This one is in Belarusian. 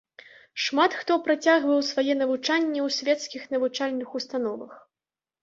Шмат хто працягваў сваё навучанне ў свецкіх навучальных установах.